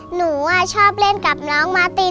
หนูชอบเล่นกับน้องมาติน